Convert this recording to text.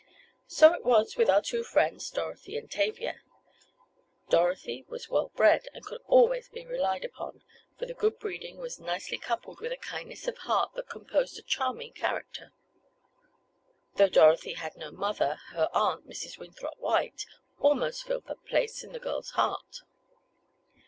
So it was with our two friends, Dorothy and Tavia. Dorothy was well bred, and could always be relied upon, for the good breeding was nicely coupled with a kindness of heart that composed a charming character. Though Dorothy had no mother her aunt, Mrs. Winthrop White almost filled that place in the girl's heart.